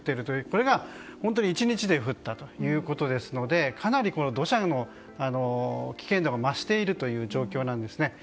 これが本当に１日で降ったということですのでかなり土砂の危険度が増している状況なんですね。